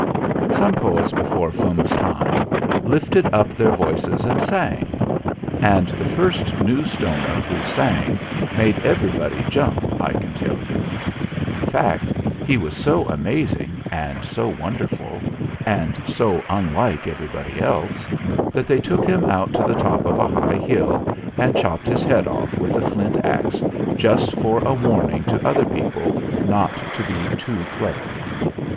Some poets before Fum's time lifted up their voices and sang. And the first New Stoner who sang made everybody jump, I can tell you. In fact, he was so amazing, and so won derful, and so unlike everybody else, that they took him out to the top of a high hill and chopped his head off with a flint axe just 20 THE FLINT HEART for a warning to other people not to be too clever.